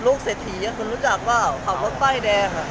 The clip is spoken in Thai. ลูกเสดทีคุณรู้จักไหมเขาขับรถไป้แดง